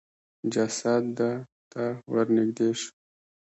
جسد د ته ورنېږدې شو.